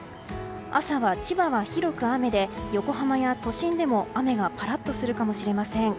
朝は千葉は広く雨で横浜や都心でも雨がぱらっとするかもしれません。